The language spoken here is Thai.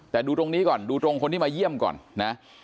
แต่ดูตรงนี้ก่อนดูตรงคนที่มาเยี่ยมก่อนนะ